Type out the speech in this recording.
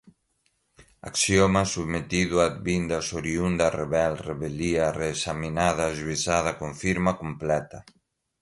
axioma, submetido, advindas, oriunda, revel, revelia, reexaminada, ajuizada, confirma, completa